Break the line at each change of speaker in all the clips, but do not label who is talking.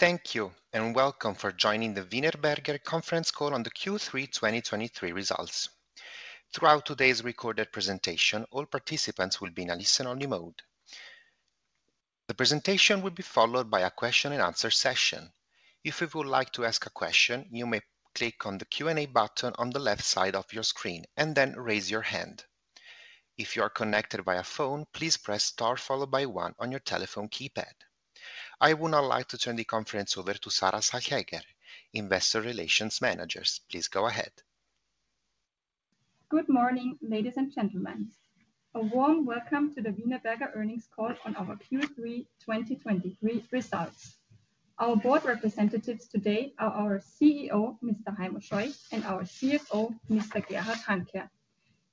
Thank you, and welcome for joining the Wienerberger conference call on the Q3 2023 results. Throughout today's recorded presentation, all participants will be in a listen-only mode. The presentation will be followed by a question and answer session. If you would like to ask a question, you may click on the Q&A button on the left side of your screen and then raise your hand. If you are connected via phone, please press star followed by one on your telephone keypad. I would now like to turn the conference over to Sarah Salchegger, Investor Relations Manager. Please go ahead.
Good morning, ladies and gentlemen. A warm welcome to the Wienerberger earnings call on our Q3 2023 results. Our board representatives today are our CEO, Mr. Heimo Scheuch, and our CFO, Mr. Gerhard Hanke.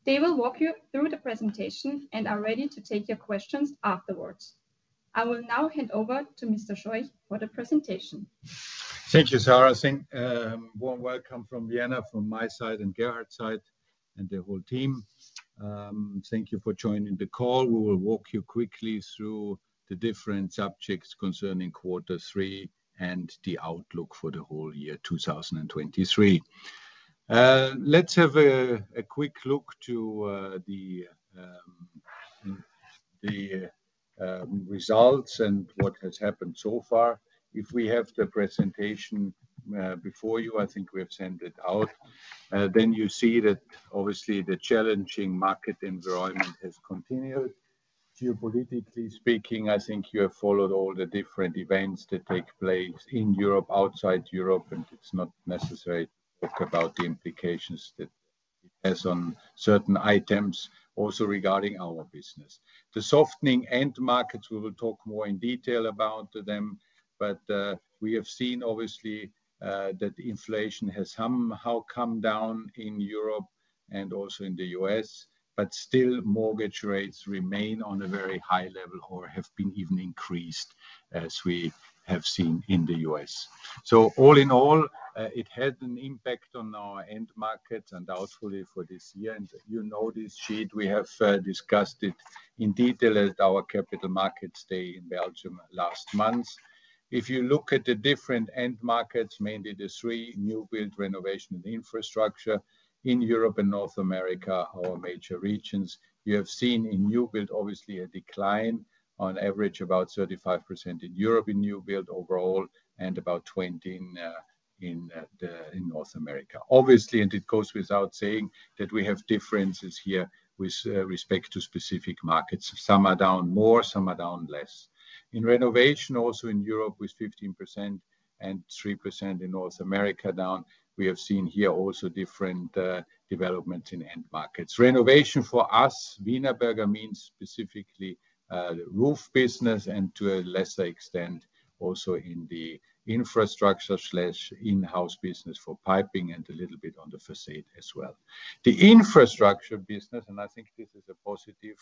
They will walk you through the presentation and are ready to take your questions afterwards. I will now hand over to Mr. Scheuch for the presentation.
Thank you, Sarah. Warm welcome from Vienna, from my side and Gerhard's side, and the whole team. Thank you for joining the call. We will walk you quickly through the different subjects concerning quarter three and the outlook for the whole year 2023. Let's have a quick look to the results and what has happened so far. If we have the presentation before you, I think we have sent it out, then you see that obviously the challenging market environment has continued. Geopolitically speaking, I think you have followed all the different events that take place in Europe, outside Europe, and it's not necessary to talk about the implications that it has on certain items, also regarding our business. The softening end markets, we will talk more in detail about them, but we have seen obviously that inflation has somehow come down in Europe and also in the U.S., but still mortgage rates remain on a very high level or have been even increased, as we have seen in the U.S. So all in all, it had an impact on our end markets and outwardly for this year, and you know this sheet, we have discussed it in detail at our capital markets day in Belgium last month. If you look at the different end markets, mainly the three: new build, renovation, and infrastructure. In Europe and North America, our major regions, you have seen in new build, obviously, a decline, on average about 35% in Europe, in new build overall, and about 20% in North America. Obviously, and it goes without saying, that we have differences here with respect to specific markets. Some are down more, some are down less. In renovation, also in Europe, with 15% and 3% in North America, down. We have seen here also different developments in end markets. Renovation for us, Wienerberger, means specifically the roof business, and to a lesser extent, also in the infrastructure/in-house business for piping and a little bit on the façade as well. The infrastructure business, and I think this is a positive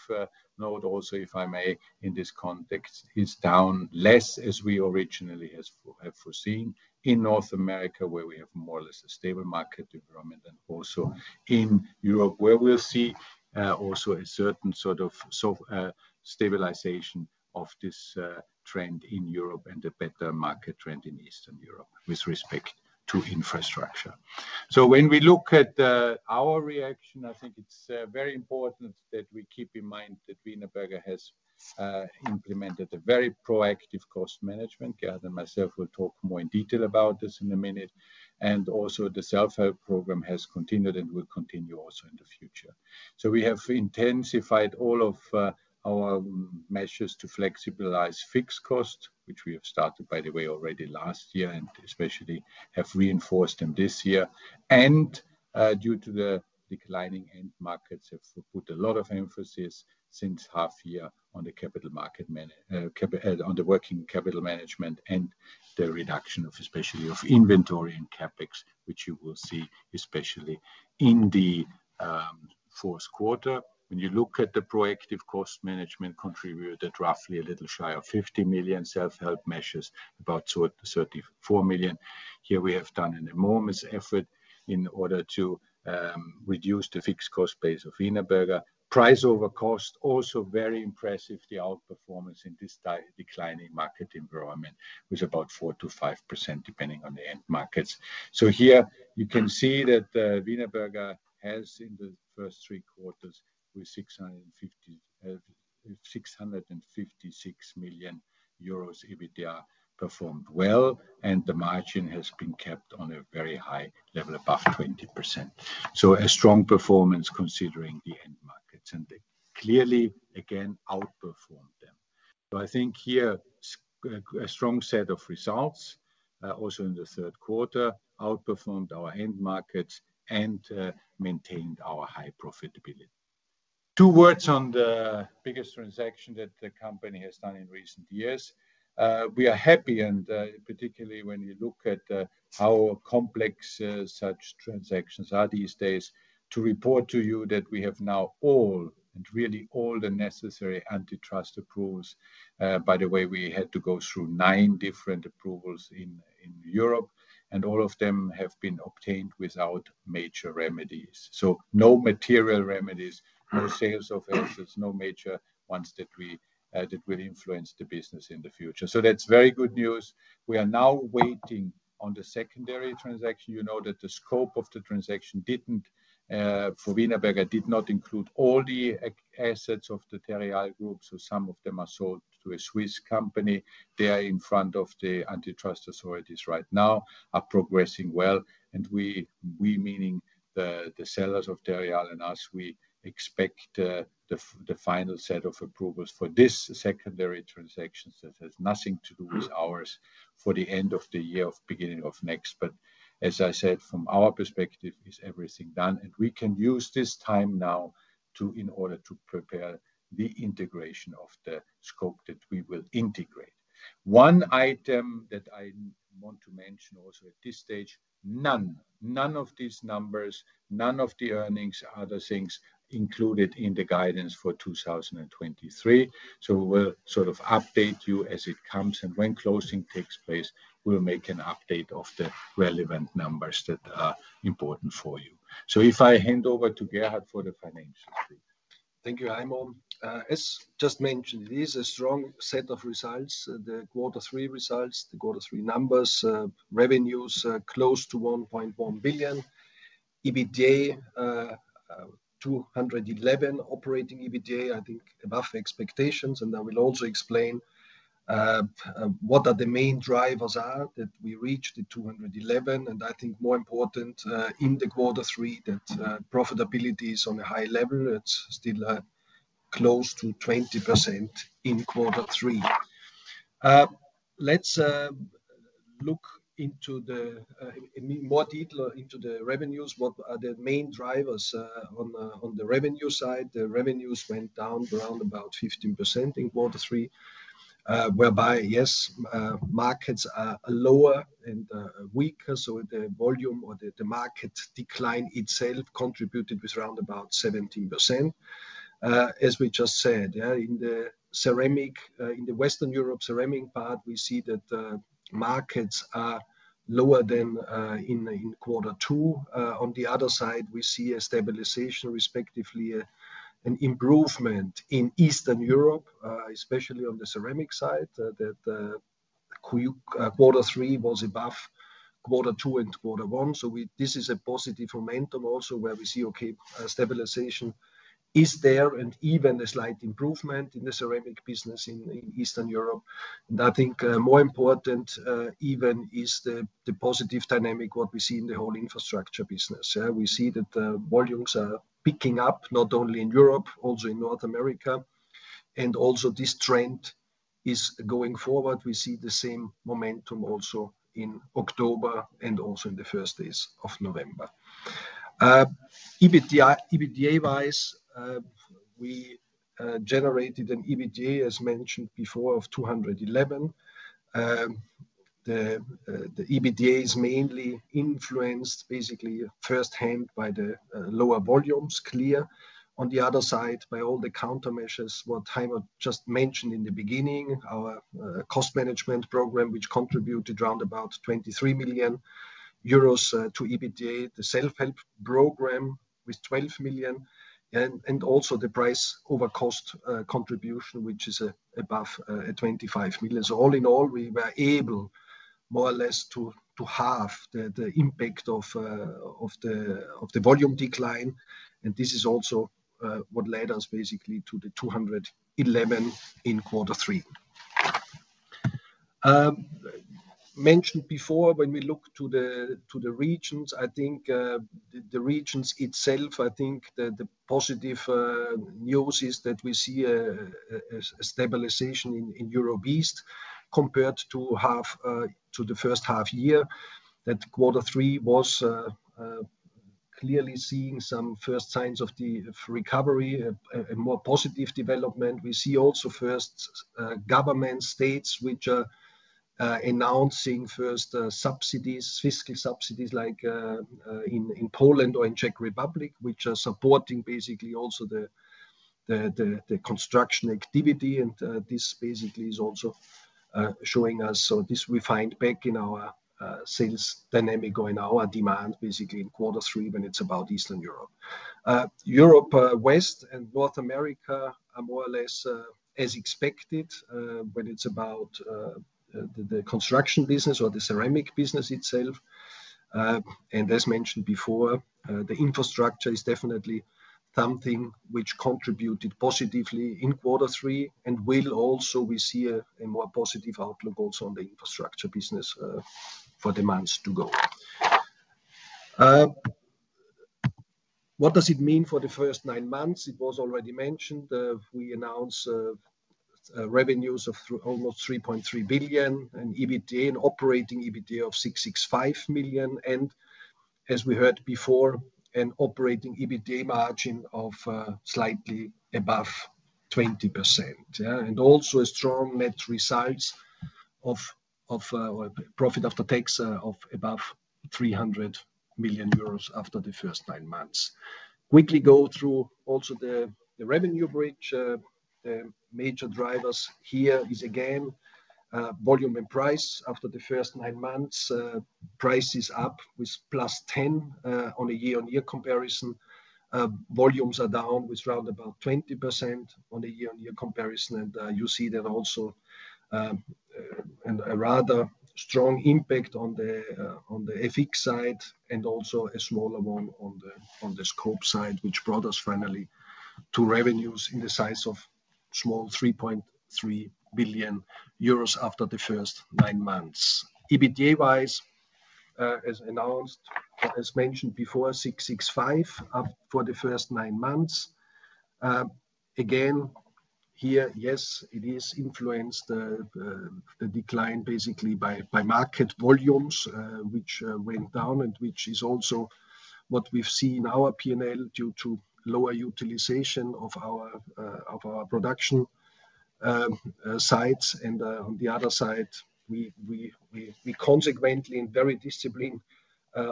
note also, if I may, in this context, is down less as we originally had foreseen. In North America, where we have more or less a stable market development, and also in Europe, where we'll see also a certain sort of stabilization of this trend in Europe and a better market trend in Eastern Europe with respect to infrastructure. So when we look at our reaction, I think it's very important that we keep in mind that Wienerberger has implemented a very proactive cost management. Gerhard and myself will talk more in detail about this in a minute, and also Self-Help Program has continued and will continue also in the future. So we have intensified all of our measures to flexibilize fixed costs, which we have started, by the way, already last year, and especially have reinforced them this year, and due to the declining end markets, have put a lot of emphasis since half year on the working capital management and the reduction of, especially of inventory and CapEx, which you will see, especially in the fourth quarter. When you look at the proactive cost management, contributed roughly a little shy of 50 million, Self-Help measures, about 34 million. Here we have done an enormous effort in order to reduce the fixed cost base of Wienerberger. Price over cost, also very impressive, the outperformance in this declining market environment, with about 4%-5%, depending on the end markets. So here you can see that, Wienerberger has, in the first three quarters, with 656 million euros, EBITDA performed well, and the margin has been kept on a very high level, above 20%. So a strong performance, considering the end markets, and they clearly, again, outperformed them. So I think here, a strong set of results, also in the third quarter, outperformed our end markets, and maintained our high profitability. Two words on the biggest transaction that the company has done in recent years. We are happy and particularly when you look at, how complex such transactions are these days, to report to you that we have now all, and really all the necessary antitrust approvals. By the way, we had to go through nine different approvals in Europe, and all of them have been obtained without major remedies. So no material remedies, no sales of assets, no major ones that we, that will influence the business in the future. So that's very good news. We are now waiting on the secondary transaction. You know that the scope of the transaction didn't, for Wienerberger, did not include all the assets of the Terreal Group, so some of them are sold to a Swiss company. They are in front of the antitrust authorities right now, are progressing well, and we, we meaning the sellers of Terreal and us, we expect the final set of approvals for this secondary transaction that has nothing to do with ours for the end of the year or beginning of next. But as I said, from our perspective is everything done, and we can use this time now to, in order to prepare the integration of the scope that we will integrate. One item that I want to mention also at this stage, none of these numbers, none of the earnings, other things included in the guidance for 2023. So we'll sort of update you as it comes, and when closing takes place, we'll make an update of the relevant numbers that are important for you. So if I hand over to Gerhard for the financials.
Thank you, Heimo. As just mentioned, it is a strong set of results. The quarter three results, the quarter three numbers, revenues are close to 1.1 billion. EBITDA, 211 million operating EBITDA, I think above expectations. I will also explain, what are the main drivers are that we reached the 211 million? And I think more important, in the quarter three, that profitability is on a high level. It's still, close to 20% in quarter three. Let's, look in more detail into the revenues. What are the main drivers? On the, on the revenue side, the revenues went down around about 15% in quarter three. Whereby, yes, markets are lower and weaker, so the volume or the market decline itself contributed with around about 17%. As we just said, in the ceramic, in the Western Europe ceramic part, we see that markets are lower than in quarter two. On the other side, we see a stabilization, respectively, an improvement in Eastern Europe, especially on the ceramic side, that quarter three was above quarter two and quarter one. So this is a positive momentum also where we see, okay, stabilization is there, and even a slight improvement in the ceramic business in Eastern Europe. And I think, more important, even is the positive dynamic what we see in the whole infrastructure business, yeah? We see that the volumes are picking up, not only in Europe, also in North America, and also this trend is going forward. We see the same momentum also in October and also in the first days of November. EBITDA, EBITDA-wise, we generated an EBITDA, as mentioned before, of 211 million. The EBITDA is mainly influenced basically firsthand by the lower volumes, clear. On the other side, by all the countermeasures, what Heimo just mentioned in the beginning, our cost management program, which contributed around about 23 million euros to EBITDA. Self-Help Program, with 12 million, and also the price over cost contribution, which is above 25 million. All in all, we were able, more or less, to halve the impact of the volume decline, and this is also what led us basically to the 211 million in quarter three. Mentioned before, when we look to the regions, I think the regions itself, I think that the positive news is that we see a stabilization in Europe East compared to the first half year. That quarter three was clearly seeing some first signs of the recovery, a more positive development. We see also first government states which are announcing first subsidies, fiscal subsidies like in Poland or in Czech Republic, which are supporting basically also the construction activity. This basically is also showing us. So this we find back in our sales dynamic or in our demand, basically in quarter three, when it's about Eastern Europe. Western Europe and North America are more or less as expected, when it's about the construction business or the ceramic business itself. And as mentioned before, the infrastructure is definitely something which contributed positively in quarter three and will also we see a more positive outlook also on the infrastructure business for the months to go. What does it mean for the first nine months? It was already mentioned, we announced revenues of almost 3.3 billion, and EBITDA and operating EBITDA of 665 million. As we heard before, an operating EBITDA margin of slightly above 20%. Yeah, and also a strong net result of profit after tax of above 300 million euros after the first nine months. Quickly go through also the revenue bridge. The major drivers here is, again, volume and price. After the first nine months, price is up +10% on a year-on-year comparison. Volumes are down around 20% on a year-on-year comparison. And you see that also and a rather strong impact on the effect side, and also a smaller one on the scope side, which brought us finally to revenues in the size of 3.3 billion euros after the first nine months. EBITDA [wise], as announced, as mentioned before, 665 million for the first nine months. Again, here, yes, it is influenced, the decline basically by market volumes, which went down, and which is also what we've seen in our P&L due to lower utilization of our production sites. And on the other side, we consequently and very disciplined,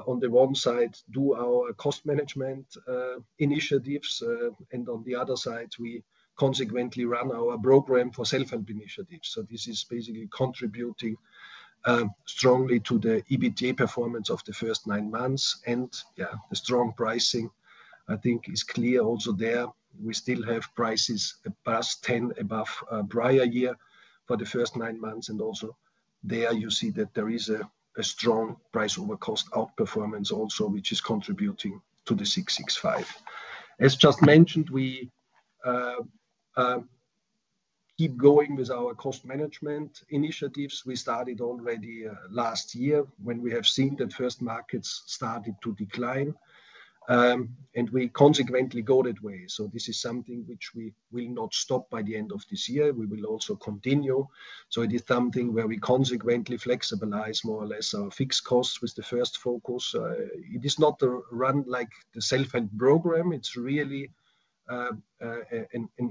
on the one side, do our cost management initiatives. And on the other side, we consequently run our program for Self-Help initiatives. So this is basically contributing strongly to the EBITDA performance of the first nine months. And yeah, the strong pricing, I think, is clear also there. We still have prices above 10, above prior year for the first nine months, and also there you see that there is a strong price over cost outperformance also, which is contributing to the 665 million. As just mentioned, we keep going with our cost management initiatives. We started already last year when we have seen that first markets started to decline, and we consequently go that way. So this is something which we will not stop by the end of this year. We will also continue. So it is something where we consequently flexibilize more or less our fixed costs with the first focus. It is not run like Self-Help Program. it's really an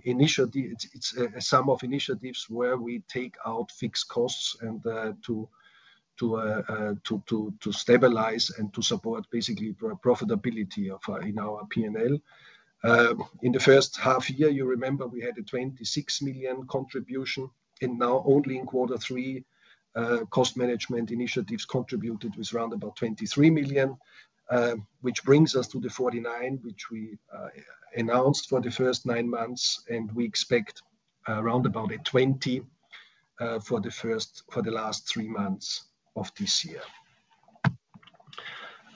initiative. It's a sum of initiatives where we take out fixed costs and to stabilize and to support basically profitability in our P&L. In the first half year, you remember we had a 26 million contribution, and now only in quarter three, cost management initiatives contributed with round about 23 million, which brings us to the 49 million, which we announced for the first nine months, and we expect around about a 20 million for the last three months of this year.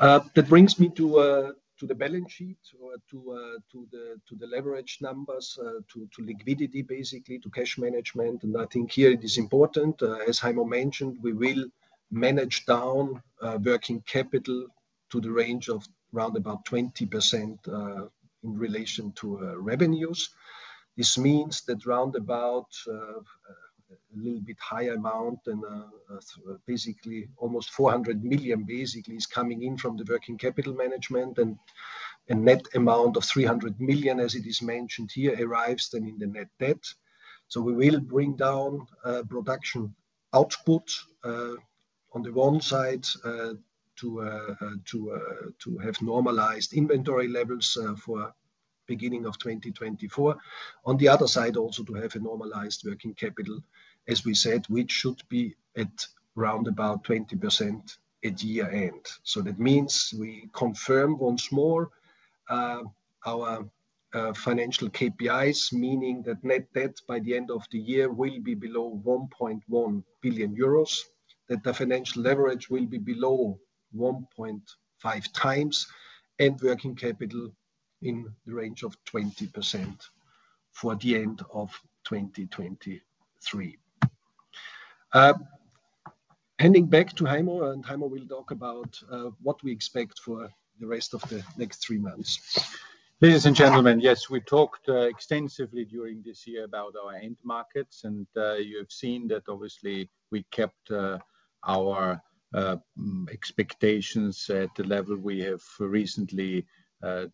That brings me to the balance sheet or to the leverage numbers, to liquidity, basically, to cash management. And I think here it is important, as Heimo mentioned, we will manage down working capital to the range of round about 20% in relation to revenues. This means that around a little bit higher amount and basically almost 400 million, basically, is coming in from the working capital management, and a net amount of 300 million, as it is mentioned here, arrives then in the net debt. So we will bring down production output on the one side to have normalized inventory levels for beginning of 2024. On the other side, also to have a normalized working capital, as we said, which should be at around 20% at year-end. So that means we confirm once more our financial KPIs, meaning that net debt by the end of the year will be below 1.1 billion euros, that the financial leverage will be below 1.5x, and working capital in the range of 20% for the end of 2023. Handing back to Heimo, and Heimo will talk about what we expect for the rest of the next three months.
Ladies and gentlemen, yes, we talked extensively during this year about our end markets, and you have seen that obviously we kept our expectations at the level we have recently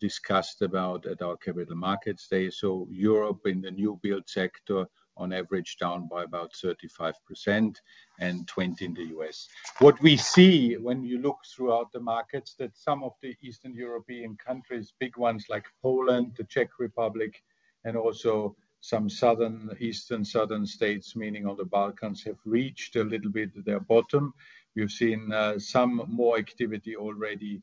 discussed about at our Capital Markets Day. So Europe, in the new build sector, on average, down by about 35% and 20% in the U.S. What we see when you look throughout the markets, that some of the Eastern European countries, big ones like Poland, the Czech Republic, and also some southern, eastern southern states, meaning on the Balkans have reached a little bit their bottom. We've seen some more activity already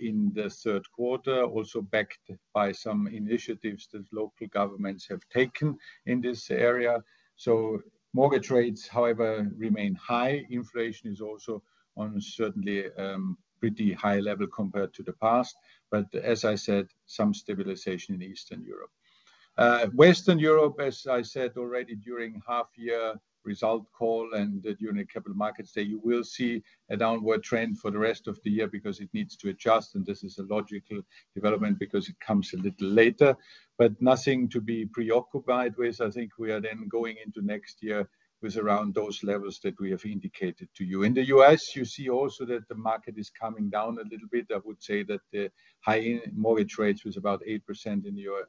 in the third quarter, also backed by some initiatives that local governments have taken in this area. So mortgage rates, however, remain high. Inflation is also on certainly pretty high level compared to the past, but as I said, some stabilization in Eastern Europe. Western Europe, as I said already during half-year results call and during the Capital Markets Day, you will see a downward trend for the rest of the year because it needs to adjust, and this is a logical development because it comes a little later, but nothing to be preoccupied with. I think we are then going into next year with around those levels that we have indicated to you. In the U.S., you see also that the market is coming down a little bit. I would say that the high-end mortgage rates was about 8% in the U.S.,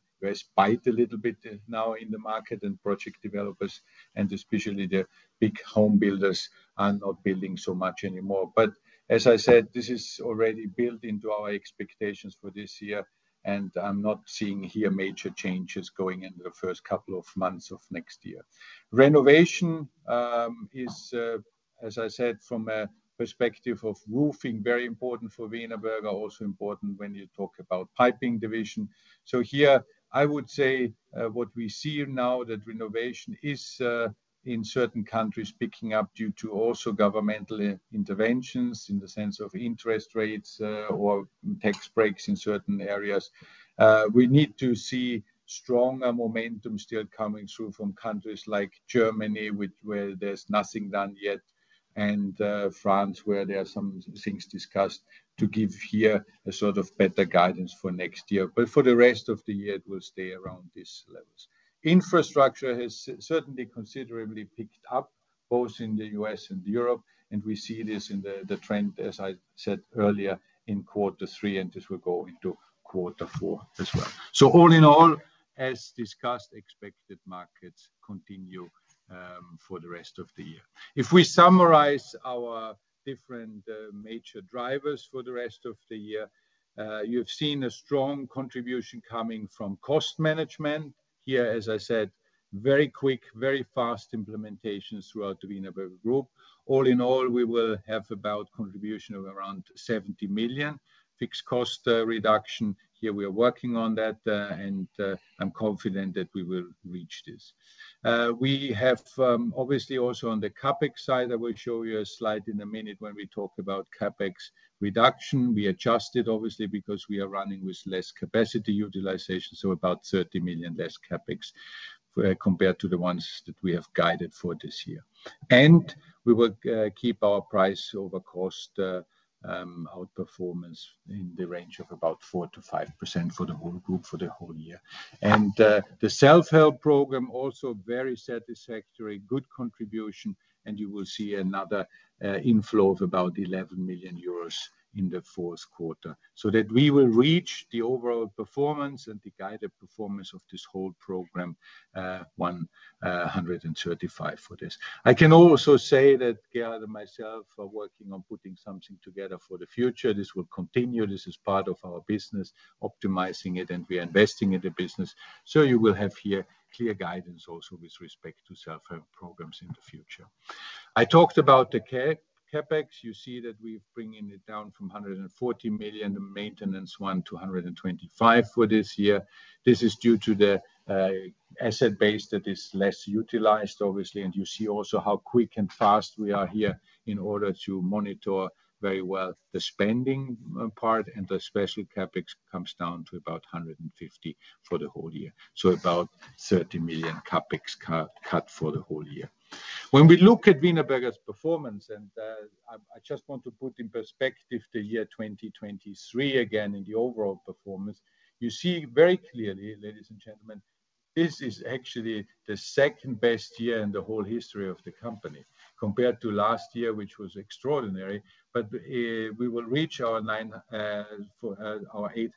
bite a little bit now in the market, and project developers, and especially the big home builders, are not building so much anymore. But as I said, this is already built into our expectations for this year, and I'm not seeing here major changes going into the first couple of months of next year. Renovation is, as I said, from a perspective of roofing, very important for Wienerberger, also important when you talk about piping division. So here I would say, what we see now, that renovation is, in certain countries, picking up due to also governmental interventions in the sense of interest rates, or tax breaks in certain areas. We need to see strong momentum still coming through from countries like Germany, which, where there's nothing done yet, and France, where there are some things discussed, to give here a sort of better guidance for next year. But for the rest of the year, it will stay around these levels. Infrastructure has certainly considerably picked up, both in the U.S. and Europe, and we see this in the trend, as I said earlier, in quarter three, and this will go into quarter four as well. So all in all, as discussed, expected markets continue for the rest of the year. If we summarize our different major drivers for the rest of the year, you've seen a strong contribution coming from cost management. Here, as I said, very quick, very fast implementations throughout the Wienerberger Group. All in all, we will have about contribution of around 70 million. Fixed cost reduction, here we are working on that, and I'm confident that we will reach this. We have obviously also on the CapEx side, I will show you a slide in a minute when we talk about CapEx reduction. We adjusted, obviously, because we are running with less capacity utilization, so about 30 million less CapEx, compared to the ones that we have guided for this year. And we will keep our price over cost outperformance in the range of about 4%-5% for the whole group for the whole year. And Self-Help Program, also very satisfactory, good contribution, and you will see another inflow of about 11 million euros in the fourth quarter. So that we will reach the overall performance and the guided performance of this whole program, 135 million for this. I can also say that Gerhard and myself are working on putting something together for the future. This will continue. This is part of our business, optimizing it, and we are investing in the business. So you will have here clear guidance also with respect Self-Help Programs in the future. I talked about the CapEx. You see that we're bringing it down from 140 million, the maintenance one, to 125 million for this year. This is due to the asset base that is less utilized, obviously, and you see also how quick and fast we are here in order to monitor very well the spending part, and the special CapEx comes down to about 150 million for the whole year. So about 30 million CapEx cut for the whole year. When we look at Wienerberger's performance, and I just want to put in perspective the year 2023 again in the overall performance, you see very clearly, ladies and gentlemen, this is actually the second-best year in the whole history of the company, compared to last year, which was extraordinary. But we will reach our 800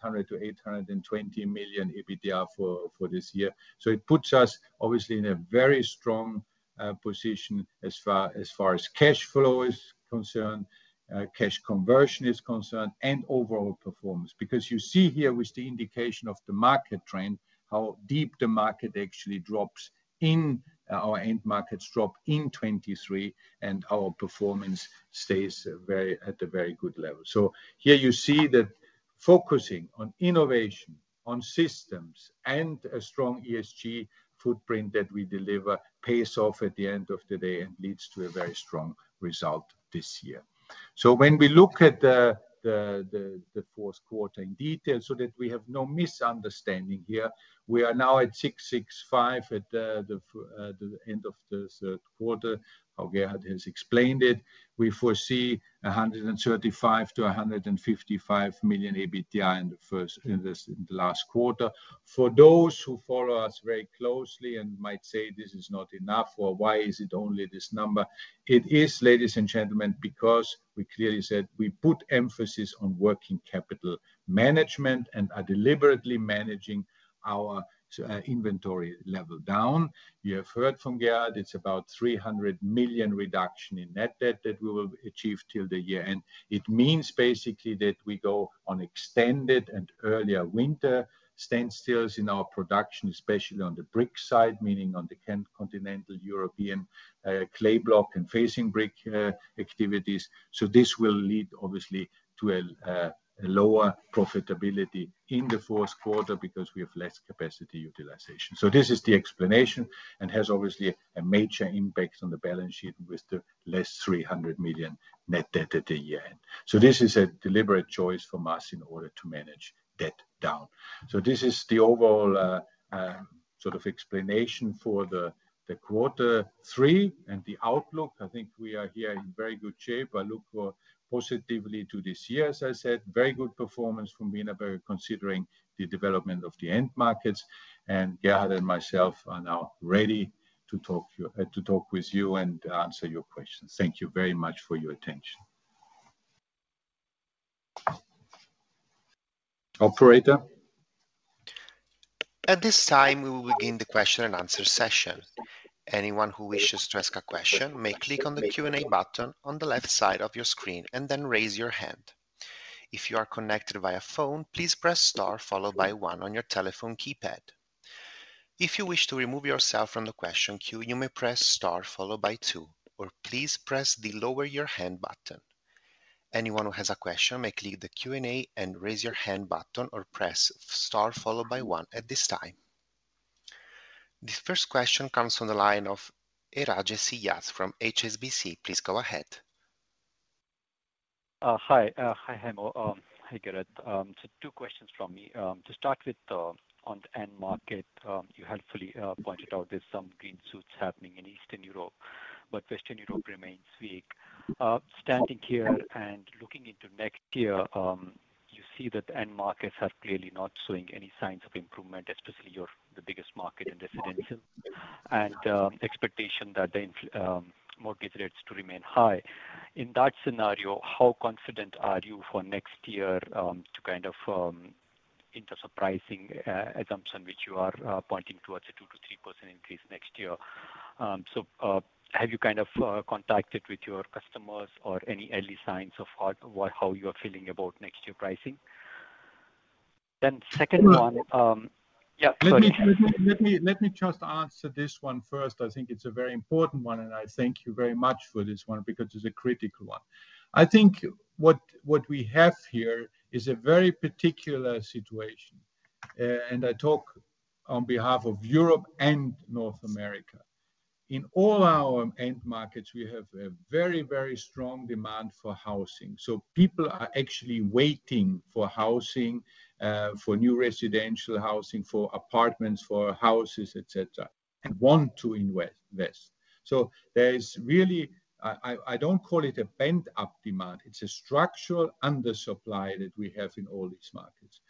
million-820 million EBITDA for this year. So it puts us obviously in a very strong position as far as cash flow is concerned, cash conversion is concerned, and overall performance. Because you see here with the indication of the market trend, how deep the market actually drops in our end markets in 2023, and our performance stays very at a very good level. So here you see that focusing on innovation, on systems, and a strong ESG footprint that we deliver, pays off at the end of the day and leads to a very strong result this year. So when we look at the fourth quarter in detail, so that we have no misunderstanding here, we are now at 665 at the end of the third quarter, how Gerhard has explained it. We foresee 135 million-155 million EBITDA in this, the last quarter. For those who follow us very closely and might say, "This is not enough." or, "Why is it only this number?" It is, ladies and gentlemen, because we clearly said we put emphasis on working capital management and are deliberately managing our inventory level down. You have heard from Gerhard, it's about a 300 million reduction in net debt that we will achieve till the year-end. It means basically that we go on extended and earlier winter standstills in our production, especially on the brick side, meaning on the continental European clay block and facing brick activities. So this will lead, obviously, to a lower profitability in the fourth quarter because we have less capacity utilization. So this is the explanation and has obviously a major impact on the balance sheet with 300 million less net debt at the year-end. So this is a deliberate choice from us in order to manage debt down. So this is the overall sort of explanation for the quarter three and the outlook. I think we are here in very good shape. I look for positively to this year. As I said, very good performance from Wienerberger, considering the development of the end markets. Gerhard and myself are now ready to talk with you and answer your questions. Thank you very much for your attention. Operator?
At this time, we will begin the question and answer session. Anyone who wishes to ask a question may click on the Q&A button on the left side of your screen and then raise your hand. If you are connected via phone, please press star followed by one on your telephone keypad. If you wish to remove yourself from the question queue, you may press star followed by two, or please press the lower your hand button. Anyone who has a question may click the Q&A and raise your hand button or press star followed by one at this time. This first question comes from the line of Brijesh Siya from HSBC. Please go ahead.
Hi. Hi, Heimo. Hi, Gerhard. So two questions from me. To start with, on the end market, you helpfully pointed out there's some green shoots happening in Eastern Europe, but Western Europe remains weak. Standing here and looking into next year, you see that the end markets are clearly not showing any signs of improvement, especially your the biggest market in residential. And expectation that the mortgage rates to remain high. In that scenario, how confident are you for next year, to kind of, in the surprising assumption? Which you are pointing towards a 2%-3% increase next year? So, have you kind of contacted with your customers or any early signs of how, what, how you are feeling about next year pricing? Then, second one.
Well.
Yeah, sorry.
Let me just answer this one first. I think it's a very important one, and I thank you very much for this one because it's a critical one. I think what we have here is a very particular situation, and I talk on behalf of Europe and North America. In all our end markets, we have a very strong demand for housing. So people are actually waiting for housing, for new residential housing, for apartments, for houses, et cetera, and want to invest. So there is really, I don't call it a pent-up demand. It's a structural undersupply that we have in all these markets.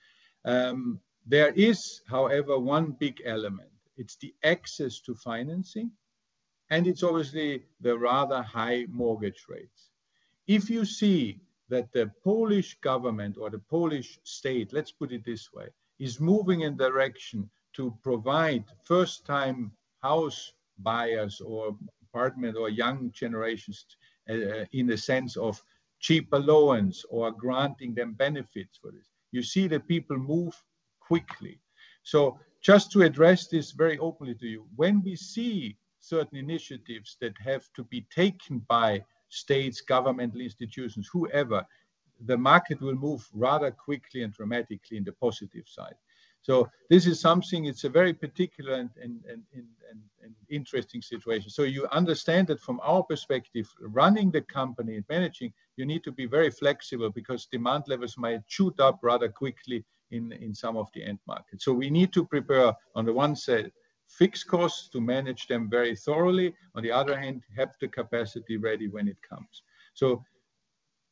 There is, however, one big element. It's the access to financing, and it's obviously the rather high mortgage rates. If you see that the Polish government or the Polish state, let's put it this way, is moving in direction to provide first-time house buyers or apartment or young generations, in the sense of cheap allowance or granting them benefits for this, you see the people move quickly. So just to address this very openly to you, when we see certain initiatives that have to be taken by states, governmental institutions, whoever, the market will move rather quickly and dramatically in the positive side. So this is something, it's a very particular and interesting situation. So you understand that from our perspective, running the company and managing, you need to be very flexible because demand levels might shoot up rather quickly in some of the end markets. So we need to prepare, on the one side, fixed costs to manage them very thoroughly, on the other hand, have the capacity ready when it comes. So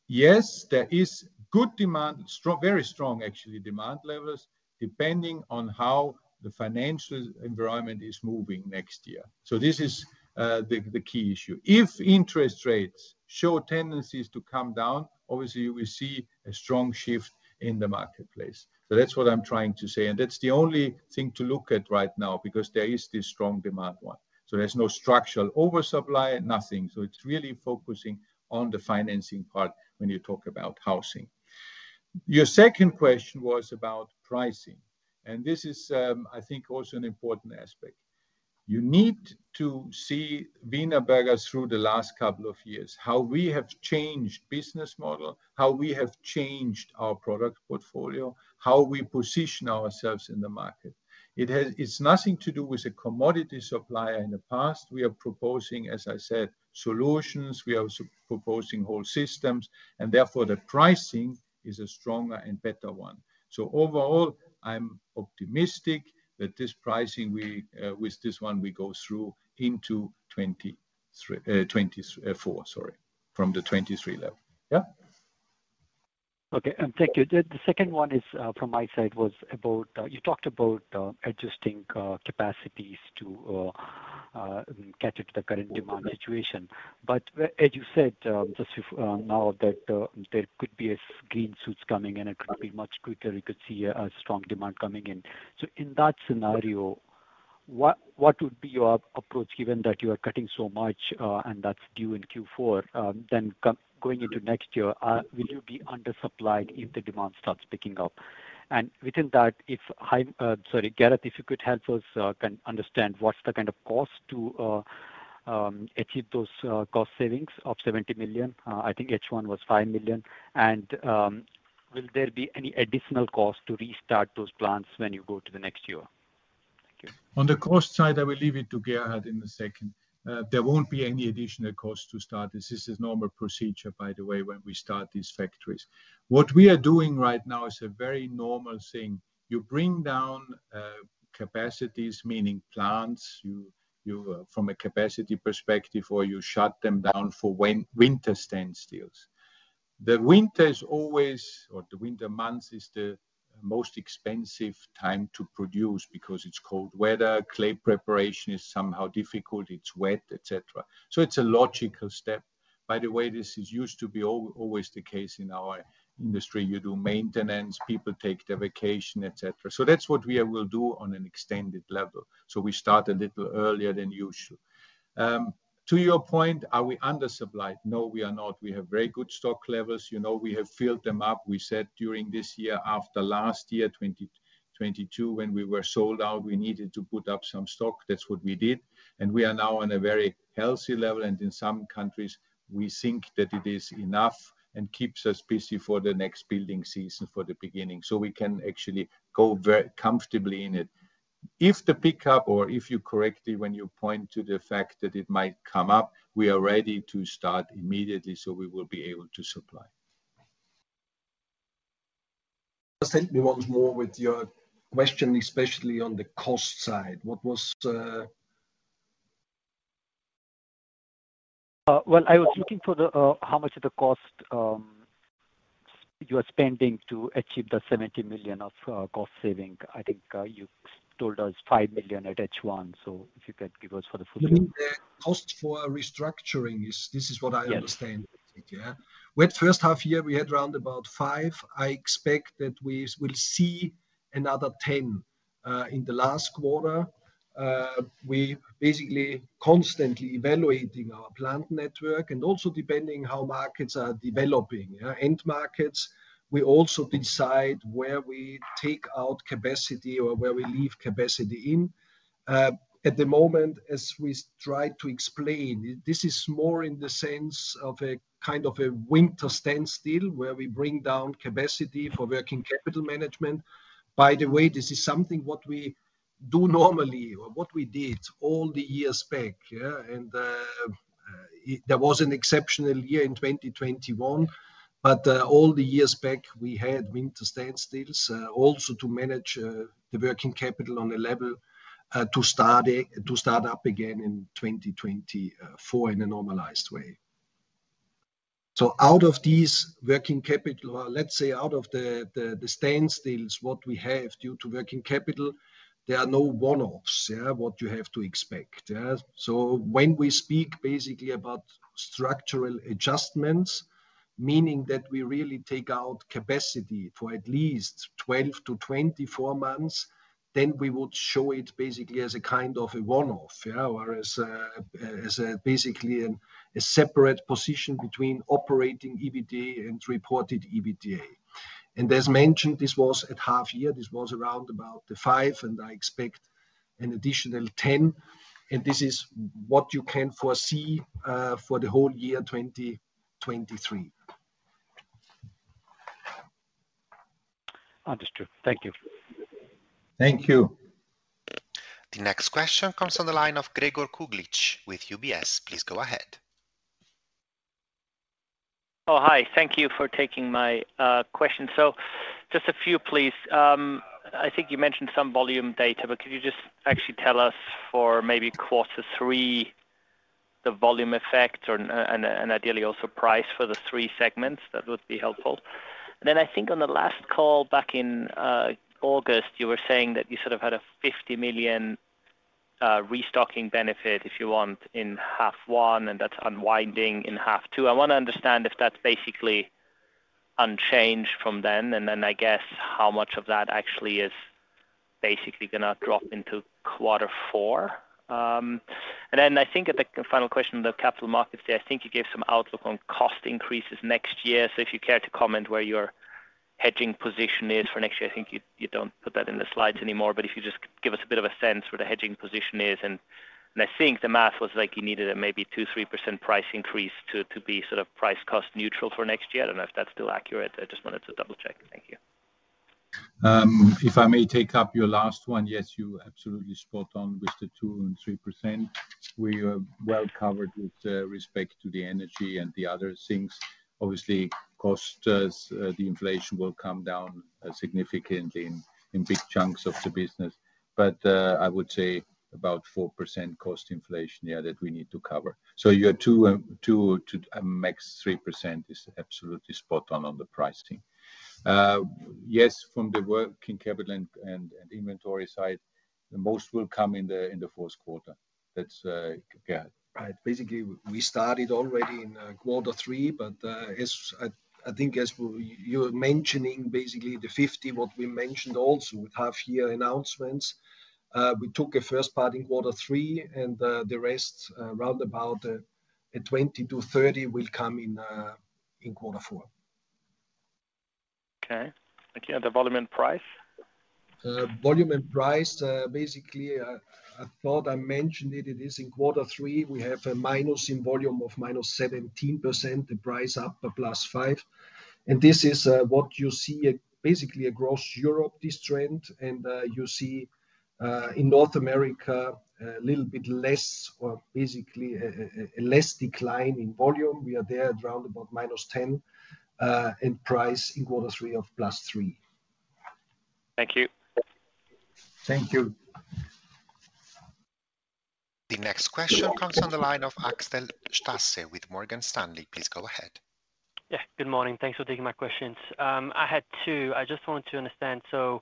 yes, there is good demand, strong- very strong actually, demand levels, depending on how the financial environment is moving next year. So this is the key issue. If interest rates show tendencies to come down, obviously, we see a strong shift in the marketplace. So that's what I'm trying to say, and that's the only thing to look at right now because there is this strong demand one. So there's no structural oversupply, nothing. So it's really focusing on the financing part when you talk about housing. Your second question was about pricing, and this is, I think, also an important aspect. You need to see Wienerberger through the last couple of years. How we have changed business model? How we have changed our product portfolio? How we position ourselves in the market? It's nothing to do with the commodity supplier in the past. We are proposing, as I said, solutions. We are also proposing whole systems, and therefore the pricing is a stronger and better one. So overall, I'm optimistic that this pricing we, with this one we go through into 2024. Sorry, from the 2023 level.
Yeah. Okay, and thank you. The second one is from my side was about, you talked about adjusting capacities to cater to the current demand situation. But as you said, just now, that there could be a green shoots coming in, and it could be much quicker. You could see a strong demand coming in. So in that scenario, what would be your approach, given that you are cutting so much, and that's due in Q4? Then going into next year, will you be undersupplied if the demand starts picking up? And within that, if Heimo, sorry, Gerhard, if you could help us kind of understand what's the kind of cost to achieve those cost savings of 70 million. I think H1 was 5 million. Will there be any additional cost to restart those plants when you go to the next year? Thank you.
On the cost side, I will leave it to Gerhard in a second. There won't be any additional cost to start this. This is normal procedure, by the way, when we start these factories. What we are doing right now is a very normal thing. You bring down capacities, meaning plants, from a capacity perspective, or you shut them down for winter standstills. The winter months is the most expensive time to produce because it's cold weather, clay preparation is somehow difficult, it's wet, etc. So it's a logical step. By the way, this used to always be the case in our industry. You do maintenance, people take their vacation, etc. So that's what we will do on an extended level. So we start a little earlier than usual. To your point, are we undersupplied? No, we are not. We have very good stock levels. You know, we have filled them up. We said during this year, after last year, 2022, when we were sold out, we needed to put up some stock. That's what we did, and we are now on a very healthy level, and in some countries, we think that it is enough and keeps us busy for the next building season for the beginning. So we can actually go very comfortably in it. If the pickup or if you correctly, when you point to the fact that it might come up, we are ready to start immediately. So we will be able to supply. Help me once more with your question, especially on the cost side. What was?
Well, I was looking for how much of the cost you are spending to achieve the 70 million of cost saving. I think you told us 5 million at H1, so if you could give us for the full year.
You mean the cost for a restructuring, is this what I understand?
Yes.
Yeah. With first half year, we had around five. I expect that we will see another 10. In the last quarter, we basically constantly evaluating our plant network and also depending how markets are developing. Yeah, end markets, we also decide where we take out capacity or where we leave capacity in. At the moment, as we try to explain, this is more in the sense of a kind of a winter standstill. Where we bring down capacity for working capital management? By the way, this is something what we do normally or what we did all the years back, yeah? There was an exceptional year in 2021, but all the years back, we had winter standstills also to manage the working capital on a level to start up again in 2024 in a normalized way. So out of these working capital, or let's say, out of the standstills, what we have due to working capital, there are no one-offs, yeah, what you have to expect. Yeah. So when we speak basically about structural adjustments, meaning that we really take out capacity for at least 12-24 months, then we would show it basically as a kind of a one-off, you know, or as a basically a separate position between operating EBITDA and reported EBITDA. As mentioned, this was at half year, this was around about the five, and I expect an additional 10, and this is what you can foresee for the whole year 2023.
Understood. Thank you.
Thank you.
The next question comes on the line of Gregor Kuglitsch with UBS. Please go ahead.
Oh, hi. Thank you for taking my question. So just a few, please. I think you mentioned some volume data, but could you just actually tell us for maybe quarter three, the volume effect or, and ideally also price for the three segments? That would be helpful. And then I think on the last call back in August, you were saying that you sort of had a 50 million restocking benefit, if you want, in half one, and that's unwinding in half two. I wanna understand if that's basically unchanged from then, and then I guess how much of that actually is basically gonna drop into quarter four. And then I think at the final question, the Capital Markets Day, I think you gave some outlook on cost increases next year. So if you care to comment where your hedging position is for next year. I think you don't put that in the slides anymore, but if you just give us a bit of a sense where the hedging position is. And I think the math was like you needed maybe a 2%-3% price increase to be sort of price cost neutral for next year. I don't know if that's still accurate. I just wanted to double check. Thank you.
If I may take up your last one. Yes, you're absolutely spot on with the 2% and 3%. We are well covered with respect to the energy and the other things. Obviously, costs, the inflation will come down significantly in big chunks of the business. But I would say about 4% cost inflation, yeah, that we need to cover. So your 2% to a max 3% is absolutely spot on on the pricing. Yes, from the working capital and inventory side, most will come in the fourth quarter. That's yeah.
Right. Basically, we started already in quarter three, but as I think, as you were mentioning, basically the 50 million, what we mentioned also with half-year announcements, we took a first part in quarter three, and the rest around about 20-30 will come in in quarter four.
Okay. Thank you. And the volume and price?
Volume and price, basically, I thought I mentioned it. It is in quarter three, we have a minus in volume of -17%, the price up a +5%. And this is what you see, basically across Europe, this trend. And you see in North America, a little bit less or basically a less decline in volume. We are there at round about -10%, and price in quarter three of +3%.
Thank you.
Thank you.
The next question comes on the line of Axel Stasse with Morgan Stanley. Please go ahead.
Yeah. Good morning. Thanks for taking my questions. I had two. I just wanted to understand, so,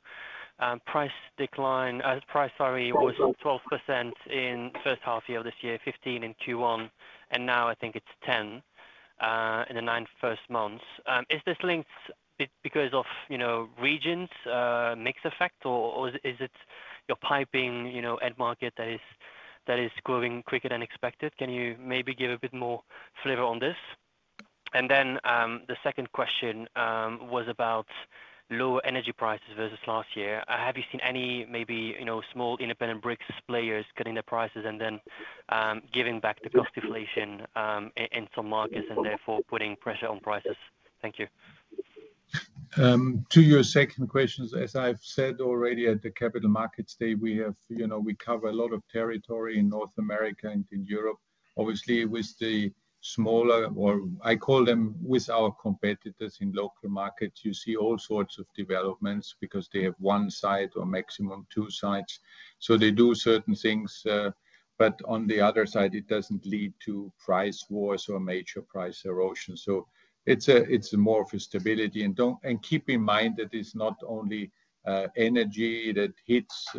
price was up 12% in first half year of this year, 15% in Q1, and now I think it's 10%, in the nine first months. Is this linked because of, you know, regions mix effect, or is it your piping, you know, end market that is growing quicker than expected? Can you maybe give a bit more flavor on this? And then, the second question was about lower energy prices versus last year. Have you seen any, maybe, you know, small independent bricks players cutting their prices and then giving back the cost inflation in some markets and therefore putting pressure on prices? Thank you.
To your second questions, as I've said already at the Capital Markets Day, we have, you know, we cover a lot of territory in North America and in Europe. Obviously, with the smaller, or I call them with our competitors in local markets, you see all sorts of developments because they have one side or maximum two sides. So they do certain things, but on the other side, it doesn't lead to price wars or major price erosion. So, it's more of a stability. And keep in mind that it's not only energy that hits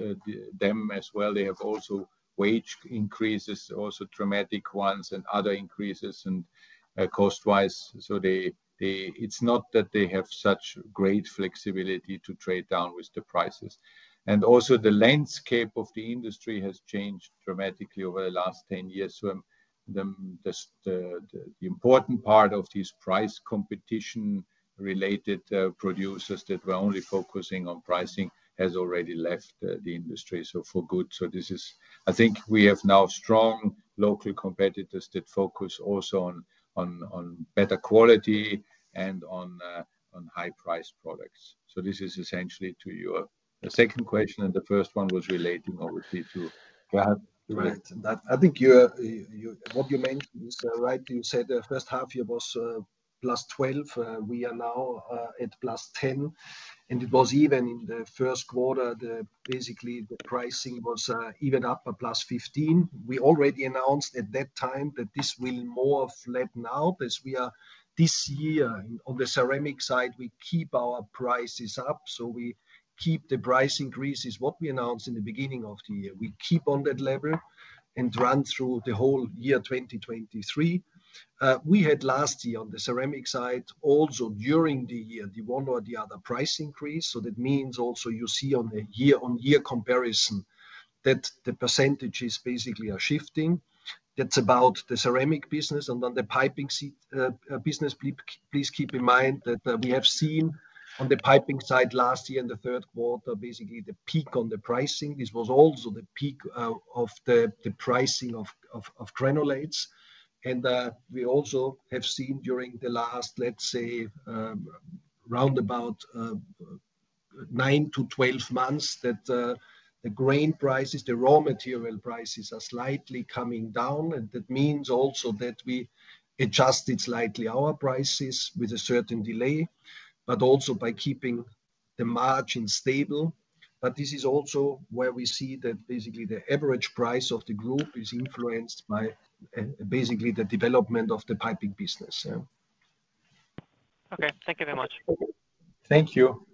them as well, they have also wage increases, also dramatic ones, and other increases and cost-wise. It's not that they have such great flexibility to trade down with the prices. Also, the landscape of the industry has changed dramatically over the last 10 years. The important part of this price competition-related producers that were only focusing on pricing has already left the industry, so for good. So this is I think we have now strong local competitors that focus also on better quality and on high-priced products. So this is essentially to your second question, and the first one was relating obviously to perhaps.
Right. I think what you mentioned is right. You said the first half year was +12. We are now at +10, and it was even in the first quarter, basically, the pricing was even up +15. We already announced at that time that this will more flatten out as we are this year. On the ceramic side, we keep our prices up, so we keep the price increases, what we announced in the beginning of the year. We keep on that level and run through the whole year 2023. We had last year on the ceramic side, also during the year, the one or the other price increase. So that means also you see on the year-on-year comparison that the percentages basically are shifting. That's about the ceramic business. On the piping business, please keep in mind that we have seen on the piping side last year, in the third quarter, basically the peak on the pricing. This was also the peak of the pricing of granulates. We also have seen during the last, let's say, round about 9-12 months, that the grain prices, the raw material prices, are slightly coming down. That means also that we adjusted slightly our prices with a certain delay, but also by keeping the margin stable. This is also where we see that basically the average price of the group is influenced by basically the development of the piping business, yeah.
Okay. Thank you very much.
Thank you.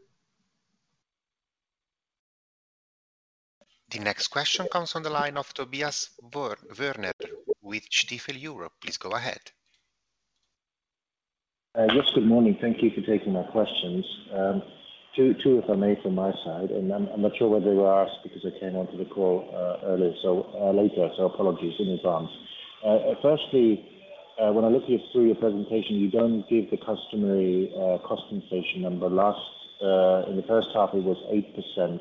The next question comes from the line of Tobias Woerner with Stifel Europe. Please go ahead.
Yes, good morning. Thank you for taking my questions. Two, if I may, from my side, and I'm not sure whether they were asked because I came onto the call earlier, so later. So apologies in advance. Firstly, when I look through your presentation, you don't give the customary cost inflation number. Last, in the first half, it was 8%,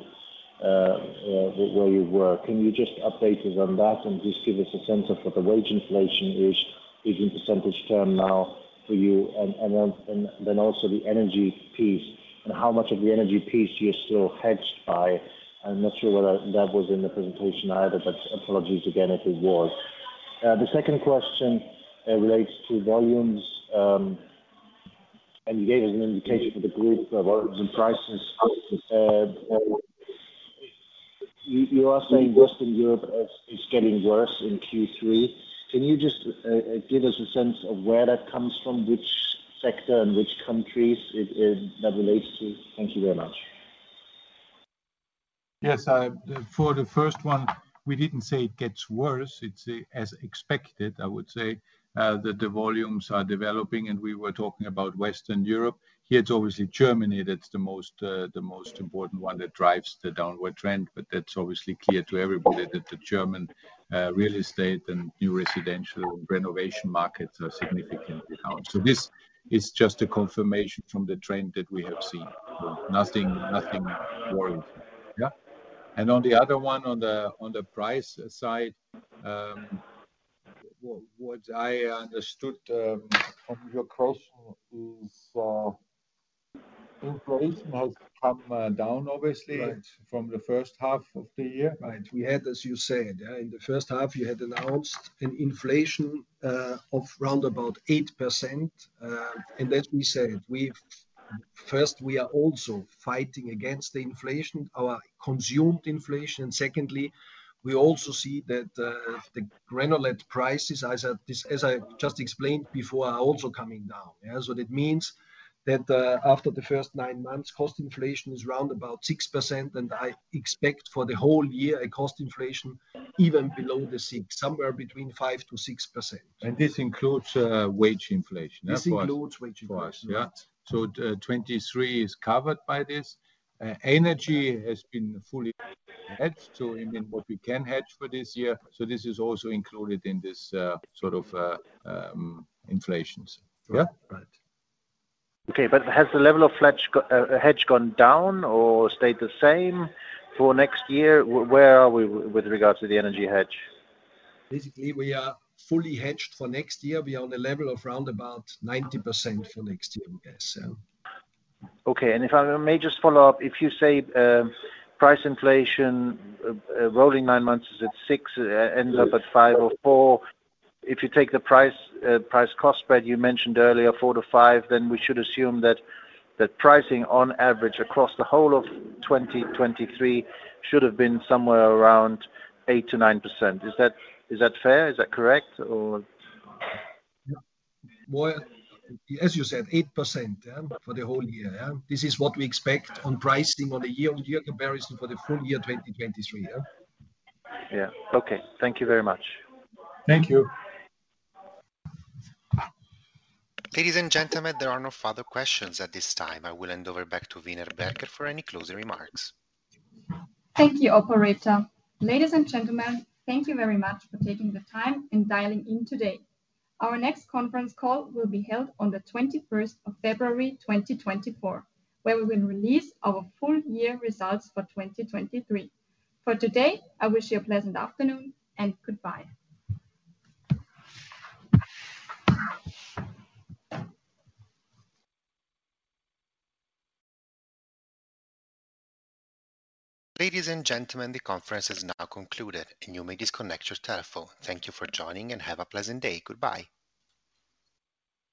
where you were. Can you just update us on that and just give us a sense of what the wage inflation is in percentage term now for you? And then also the energy piece, and how much of the energy piece you're still hedged by? I'm not sure whether that was in the presentation either, but apologies again if it was. The second question relates to volumes. You gave us an indication for the group volumes and prices. You are saying Western Europe is getting worse in Q3. Can you just give us a sense of where that comes from, which sector and which countries that relates to? Thank you very much.
Yes. For the first one, we didn't say it gets worse. It's as expected, I would say, that the volumes are developing, and we were talking about Western Europe. Here, it's obviously Germany that's the most, the most important one that drives the downward trend, but that's obviously clear to everybody, that the German real estate and new residential renovation markets are significantly down. So this is just a confirmation from the trend that we have seen. Nothing, nothing worrying. And on the other one, on the price side, what I understood from your question is, growth has come down obviously.
Right.
From the first half of the year.
Right.
We had, as you said, in the first half, you had announced an inflation of round about 8%. And as we said, first, we are also fighting against the inflation, our consumed inflation. Secondly, we also see that the granulate prices, as I've this, as I just explained before, are also coming down. Yeah. So what it means, that after the first nine months, cost inflation is round about 6%, and I expect for the whole year, a cost inflation even below the 6%, somewhere between 5%-6%.
This includes wage inflation as well?
This includes wage inflation.
For us, yeah. So, 2023 is covered by this. Energy has been fully hedged to within what we can hedge for this year, so this is also included in this, sort of, inflations. Yeah?
Right.
Okay, but has the level of hedge gone down or stayed the same for next year? Where are we with regards to the energy hedge?
Basically, we are fully hedged for next year. We are on a level of round about 90% for next year, yes, so.
Okay. And if I may just follow up, if you say, price inflation, rolling nine months is at six, ends up at five or four. If you take the price, price cost spread you mentioned earlier, 4-5, then we should assume that, that pricing on average across the whole of 2023 should have been somewhere around 8%-9%. Is that fair? Is that correct or?
Well, as you said, 8%, yeah, for the whole year, yeah. This is what we expect on pricing on a year-on-year comparison for the full year 2023, yeah.
Yeah. Okay. Thank you very much.
Thank you.
Ladies and gentlemen, there are no further questions at this time. I will hand over back to Wienerberger for any closing remarks.
Thank you, operator. Ladies and gentlemen, thank you very much for taking the time and dialing in today. Our next conference call will be held on the 21st of February, 2024, where we will release our full year results for 2023. For today, I wish you a pleasant afternoon and goodbye.
Ladies and gentlemen, the conference is now concluded, and you may disconnect your telephone. Thank you for joining, and have a pleasant day. Goodbye.